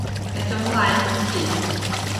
Aethom ymlaen at y tŷ.